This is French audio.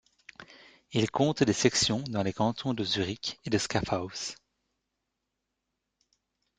Il compte des sections dans les cantons de Zurich et de Schaffhouse.